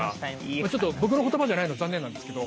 まあちょっと僕の言葉じゃないの残念なんですけど。